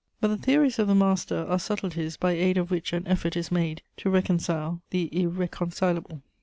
But the theories of the master are subtleties by aid of which an effort is made to reconcile the irreconcilable.